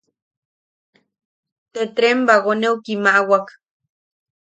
Te tren bagoneu kimaʼawak.